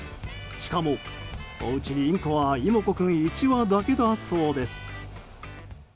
しかも、おうちにインコは妹子君１羽だけだそうです。